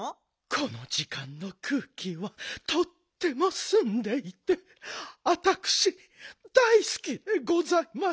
このじかんのくうきはとってもすんでいてあたくし大すきでございますのよ。